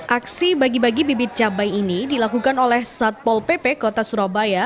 aksi bagi bagi bibit cabai ini dilakukan oleh satpol pp kota surabaya